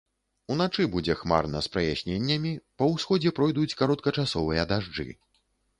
Уначы будзе хмарна з праясненнямі, па ўсходзе пройдуць кароткачасовыя дажджы.